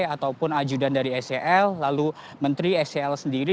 ataupun ajudan dari sel lalu menteri sel sendiri